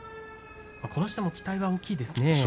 この人も期待は大きいですね。